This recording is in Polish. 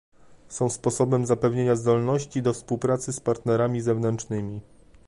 Są sposobem zapewnienia zdolności do współpracy z partnerami zewnętrznymi